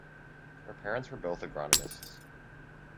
Her parents were both agronomists.